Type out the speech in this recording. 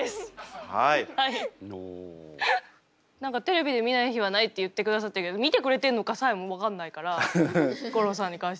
何かテレビで見ない日はないって言ってくださってるけど見てくれてんのかさえも分かんないから吾郎さんに関しては。